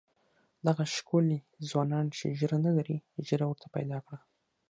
دغه ښکلي ځوانان چې ږیره نه لري ږیره ورته پیدا کړه.